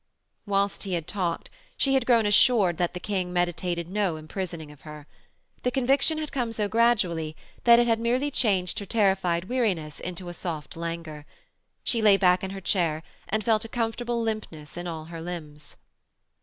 Whilst he had talked she had grown assured that the King meditated no imprisoning of her. The conviction had come so gradually that it had merely changed her terrified weariness into a soft languor. She lay back in her chair and felt a comfortable limpness in all her limbs.